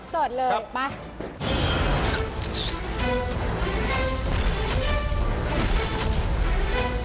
สดเลยมา